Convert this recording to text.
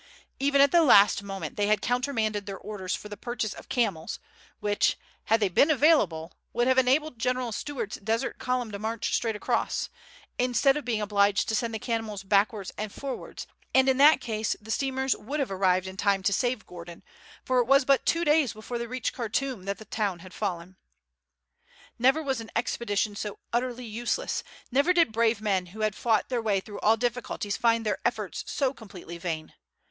Even at the last moment, they had countermanded their orders for the purchase of camels, which, had they been available, would have enabled General Stewart's desert column to march straight across, instead of being obliged to send the camels backwards and forwards; and in that case the steamers would have arrived in time to save Gordon, for it was but two days before they reached Khartoum that the town had fallen. Never was an expedition so utterly useless, never did brave men who had fought their way through all difficulties find their efforts so completely vain!